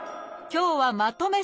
今日はまとめ